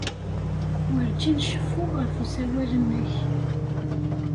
Werǧin ceffuɣ ɣef usawal-nnek.